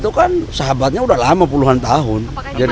itu kan sahabatnya udah lama puluhan tahun